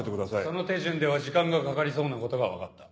その手順では時間がかかりそうな事がわかった。